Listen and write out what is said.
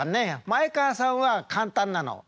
前川さんは簡単なの。